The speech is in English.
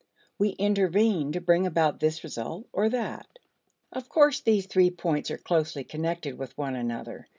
We intervene to bring about this result or that. Of course these three points are closely connected with one another.